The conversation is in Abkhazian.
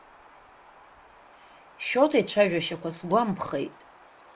Шьоҭа ицәажәашьақәа сгәамԥхеит.